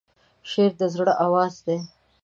شعر د زړه آواز دی.